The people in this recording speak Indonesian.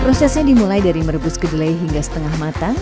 prosesnya dimulai dari merebus kedelai hingga setengah matang